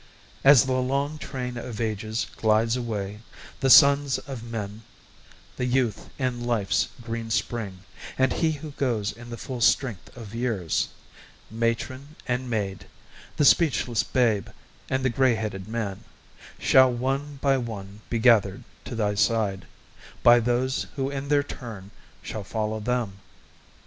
As the long train Of ages glides away, the sons of men The youth in life's green spring, and he who goes In the full strength of years, matron and maid, The speechless babe, and the grayheaded man Shall one by one be gathered to thy side, By those who in their turn shall follow them.